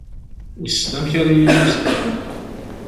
Wissen amek ara yili uzekka?